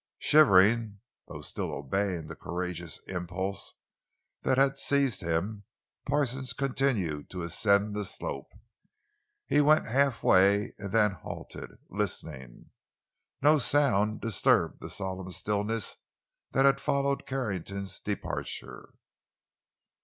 Shivering, though still obeying the courageous impulse that had seized him, Parsons continued to ascend the slope. He went half way and then halted, listening. No sound disturbed the solemn stillness that had followed Carrington's departure.